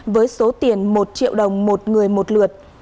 với số tiền một triệu đồng một người một lượt